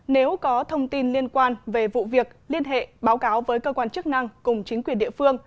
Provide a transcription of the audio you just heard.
nếu có thông tin liên quan về vụ việc liên hệ báo cáo với cơ quan chức năng cùng chính quyền địa phương